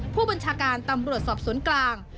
ผู้บัญชาการตำรวจสอบสวนกลาง